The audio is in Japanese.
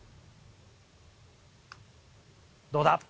どうだ？